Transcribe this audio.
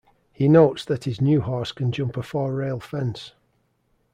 He notes that his new horse can jump a four-rail fence.